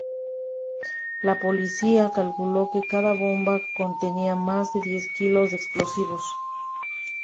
La policía calculó que cada bomba contenía más de diez kilos de explosivos.